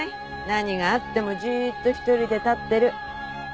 何があってもじーっと一人で立ってる。